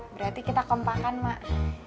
berarti kita kompakan mak